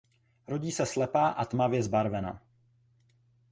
Rodí se slepá a tmavě zbarvená.